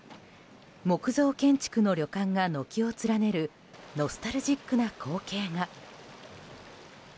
木造建築の旅館が軒を連ねるノスタルジックな光景が。